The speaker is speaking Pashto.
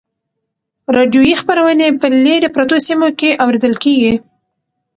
راډیویي خپرونې په لیرې پرتو سیمو کې اورېدل کیږي.